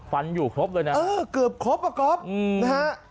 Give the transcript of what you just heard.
ฟันอยู่ครบเลยนะครับเกือบครบอะครับนะฮะ